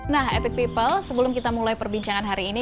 nah epic people sebelum kita mulai perbincangan hari ini